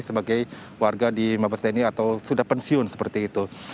sebagai warga di pabstani atau sudah pensiun seperti itu